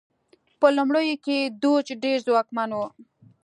په لومړیو کې دوج ډېر ځواکمن و.